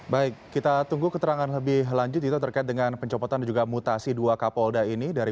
baik kita tunggu keterangan lebih lanjut itu terkait dengan pencopotan dan juga mutasi dua kapolda ini